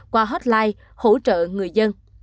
qua hotline hỗ trợ người dân